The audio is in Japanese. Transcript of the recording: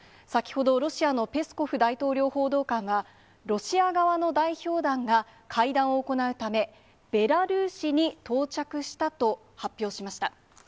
先ほど、ロシアのペスコフ大統領報道官は、ロシア側の代表団が会談を行うため、ベラルーシに到着したと発表しました。